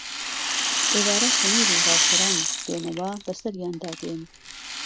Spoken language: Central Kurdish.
ئێوارە کە میر و ڕاوکەران دێنەوە بەسەریاندا دێن